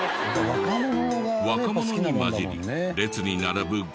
若者に交じり列に並ぶご夫婦。